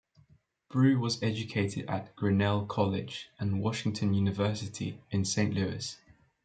Brue was educated at Grinnell College and Washington University in Saint Louis.